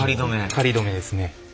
仮どめですね。